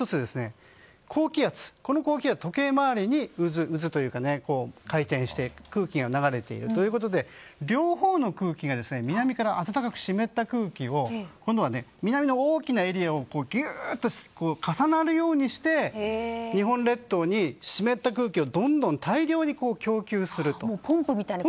もう１つこの高気圧は時計回りに渦というか、回転して空気が流れているということで両方の空気が南から温かく湿った空気を今度は南の大きなエリアをぎゅっと重なるようにして日本列島に湿った空気をどんどん大量に供給すると。